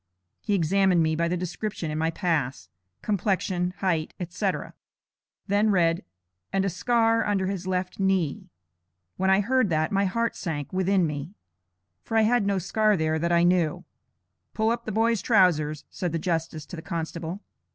He examined me by the description in my pass; complexion, height, etc., then read 'and a scar under his left knee.' When I heard that, my heart sank within me; for I had no scar there that I knew. 'Pull up the boy's trowsers,' said the justice to the constable.